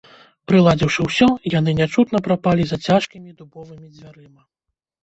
Прыладзіўшы ўсё, яны нячутна прапалі за цяжкімі дубовымі дзвярыма.